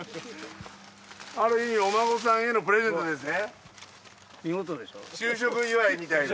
ある意味お孫さんへのプレゼントですね？